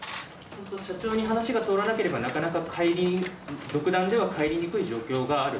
社長に話が通らなければ独断では帰りにくい状況がある？